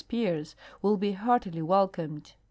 Spears will be heartily welcomed.